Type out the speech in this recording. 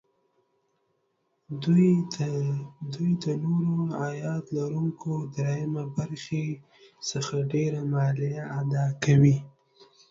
دوی د نورو عاید لرونکو دریم برخې څخه ډېره مالیه اداکوي